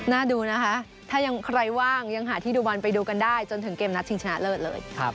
ดูนะคะถ้ายังใครว่างยังหาที่ดูบอลไปดูกันได้จนถึงเกมนัดชิงชนะเลิศเลย